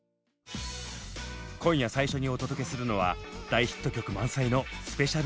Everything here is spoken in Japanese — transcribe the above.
今夜最初にお届けするのは大ヒット曲満載のスペシャルメドレー。